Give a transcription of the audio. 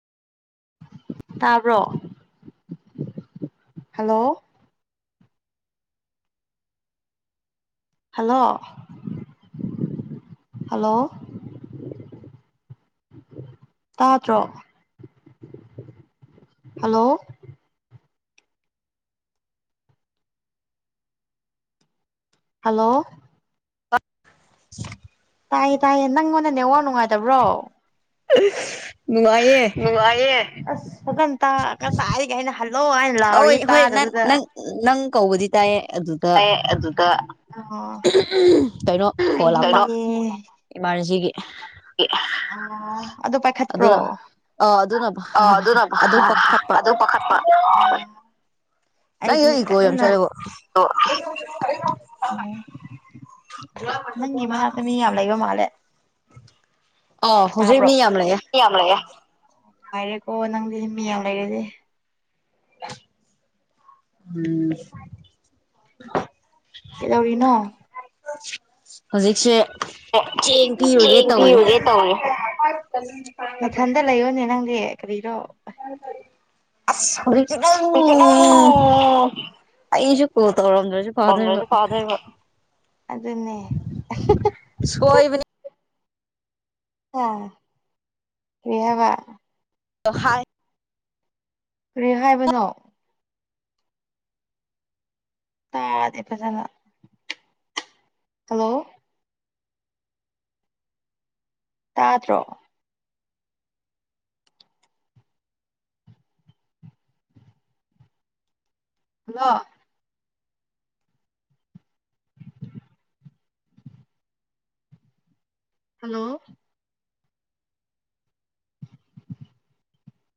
ꯇꯥꯕ꯭ꯔꯣ hello hello hello ꯇꯥꯗ꯭ꯔꯣ hello hello [unintelligible] ꯇꯥꯏꯌꯦ ꯇꯥꯏꯌꯦ ꯅꯪꯉꯣꯟꯗ ꯅꯦꯋꯥꯛ ꯅꯨꯡꯉꯥꯏꯇꯕ꯭ꯔꯣ ꯑ ꯅꯨꯡꯉꯥꯏꯌ‌ꯦ ꯑꯁ ꯐꯖꯟ ꯇ ꯉꯁꯥꯏꯗꯒꯤ ꯑꯩꯅ ꯍꯜꯂꯣ ꯍꯥꯏꯟ ꯍꯣꯏ ꯍꯣꯏ ꯅꯪ ꯅꯪ ꯅꯪ ꯀꯧꯕꯗꯤ ꯇꯥꯏꯌꯦ ꯑꯗꯨꯗ ꯑꯩ ꯑꯗꯨꯗ ꯑꯣ ꯀꯩꯅꯣ ꯐꯣꯟ ꯑꯩꯗꯤ ꯂꯥꯛꯄ ꯑꯣ ꯏꯃꯥꯔꯖꯦꯟꯁꯤꯒꯤ [unintelligible] ꯑꯗꯨ ꯄꯥꯏꯈꯠꯄ꯭ꯔꯣ ꯑꯗꯨꯅ ꯑ ꯑꯗꯨꯅ ꯑ ꯑꯗꯨ [unintelligible] ꯑꯗꯨ ꯄꯥꯈꯠꯄ ꯑꯣ ꯑꯩꯗꯤ ꯅꯪꯒꯤꯗꯣ ꯏꯀꯣ ꯌꯥꯝ ꯀꯟꯅ ꯆꯠꯂꯦꯕꯣ [unintelligible] ꯎꯝ ꯅꯪꯒꯤ ꯃꯅꯥꯛꯇ ꯃꯤ ꯌꯥꯝ ꯂꯩꯕ ꯃꯥꯜꯂꯦ ꯑꯣ ꯍꯧꯖꯤꯛ ꯇꯥꯕ꯭ꯔꯣ ꯃꯤ ꯌꯥꯝ ꯂꯩꯌꯦ ꯃꯤ ꯌꯥꯝ ꯂꯩꯌꯦ ꯅꯨꯡꯉꯥꯏꯔꯦꯀꯣ ꯅꯪꯗꯤ ꯃꯤ ꯌꯥꯝ ꯂꯩꯔꯗꯤ ꯎꯝ ꯀꯩꯗꯧꯔꯤꯅꯣ ꯍꯧꯖꯤꯛꯁꯦ ꯆꯦꯡ ꯄꯤꯔꯨꯒꯦ ꯊꯦꯡ ꯇꯧꯔꯤ ꯄꯤꯔꯨꯒꯦ ꯇꯧꯔꯤ ꯅꯊꯟꯗ ꯂꯩꯌꯣꯅꯦ ꯅꯪꯗꯤ ꯀꯔꯤꯔꯣ ꯑꯁ ꯍꯧꯖꯤꯛꯇꯤ ꯗꯨꯝ ꯑꯩꯁꯨ ꯀꯣꯜ ꯇꯧꯔꯝꯗꯔꯁꯨ ꯇꯧꯔꯝꯗꯔꯁꯨ ꯐꯗꯣꯏꯕ ꯑꯗꯨꯅꯦ [unintelligible] ꯁꯣꯏꯕꯅꯤ ꯑ ꯀꯔꯤ ꯍꯥꯏꯕ ꯗꯣ ꯍꯥꯏ ꯀꯔꯤ ꯍꯥꯏꯕꯅꯣ ꯇꯥꯗꯦ ꯐꯖꯅ ꯍꯜꯂꯣ ꯇꯥꯗꯔꯣ ꯍꯜꯂꯣ ꯍꯜꯂꯣ